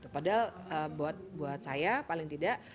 padahal buat saya paling tidak